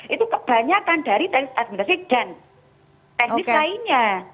itu kebanyakan dari teknis administrasi dan teknis lainnya